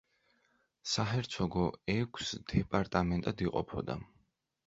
საჰერცოგო ექვს დეპარტამენტად იყოფოდა.